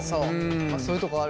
そういうとこある。